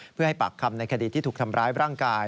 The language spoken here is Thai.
เพื่อให้ปากคำในคดีที่ถูกทำร้ายร่างกาย